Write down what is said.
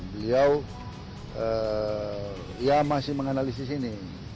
beliau masih menganalisis ini